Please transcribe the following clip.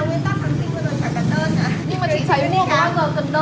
nhưng mà chị drinking nào mà bao giờ cần đơn đâu